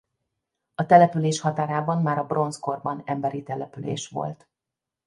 A település határában már a bronzkorban emberi település volt.